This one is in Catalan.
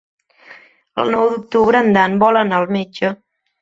El nou d'octubre en Dan vol anar al metge.